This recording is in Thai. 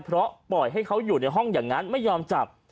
เพราะปล่อยให้เขาอยู่ในห้องอย่างนั้นไม่ยอมจับ